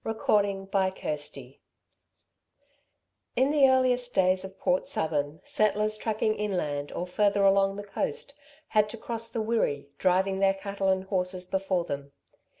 CHAPTER XVIII In the earliest days of Port Southern, settlers tracking inland or further along the coast, had to cross the Wirree, driving their cattle and horses before them.